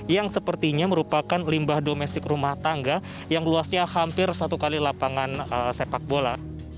yang sepertinya merupakan limbah domestik rumah tangga yang luasnya hampir satu kali lapangan sepak bola